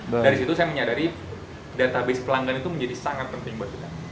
dari situ saya menyadari database pelanggan itu menjadi sangat penting buat kita